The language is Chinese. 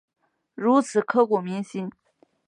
如此刻骨铭心